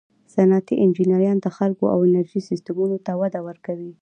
صنعتي انجینران د خلکو او انرژي سیسټمونو ته وده ورکوي.